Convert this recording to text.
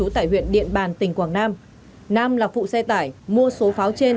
tại huyện điện bàn tỉnh quảng nam nam là phụ xe tải mua số pháo trên